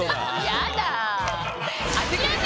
やだ。